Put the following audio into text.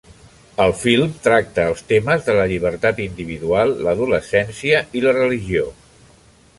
El film tracta els temes de la llibertat individual, l'adolescència i la religió.